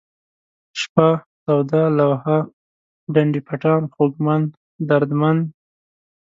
شپه ، توده ، لوحه ، ډنډ پټان ، خوږمن ، دردمن